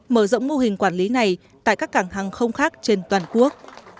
mở rộng mô hình quản lý này tại các cảng hàng không khác trên toàn quốc